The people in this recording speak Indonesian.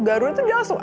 garuda itu dia langsung